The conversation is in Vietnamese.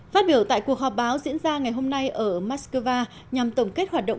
phát biểu tại cuộc họp báo diễn ra ngày hôm nay ở moscow nhằm tổng kết hoạt động